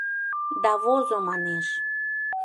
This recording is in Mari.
Да «возо» манеш